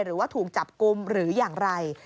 หรือว่าถูกจับกลุ่มหรืออย่างไร